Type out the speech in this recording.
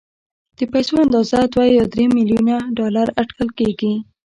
د پيسو اندازه دوه يا درې ميليونه ډالر اټکل کېږي.